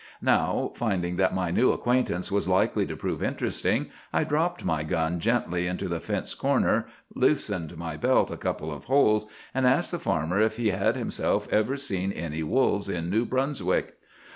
Now, finding that my new acquaintance was likely to prove interesting, I dropped my gun gently into the fence corner, loosened my belt a couple of holes, and asked the farmer if he had himself ever seen any wolves in New Brunswick.